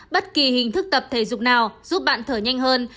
bất kỳ hình thức tập thể dục nào giúp bạn thở nhanh hơn